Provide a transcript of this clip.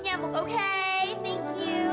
nyamuk oke thank you